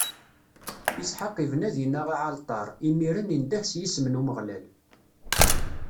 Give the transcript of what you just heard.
Isḥaq ibna dinna aɛalṭar, imiren indeh s yisem n Umeɣlal.